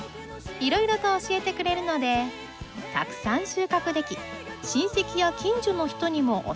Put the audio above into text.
いろいろと教えてくれるのでたくさん収穫でき親戚や近所の人にもお裾分け。